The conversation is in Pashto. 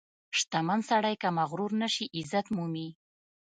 • شتمن سړی که مغرور نشي، عزت مومي.